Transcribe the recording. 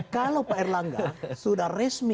kalau pak erlangga sudah resmi